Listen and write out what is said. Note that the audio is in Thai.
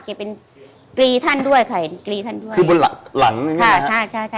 แกเป็นกรีท่านด้วยค่ะเห็นกรีท่านด้วยคือบนหลังหลังค่ะใช่ใช่